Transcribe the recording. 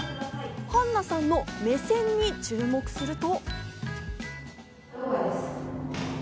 絆菜さんの目線に注目すると。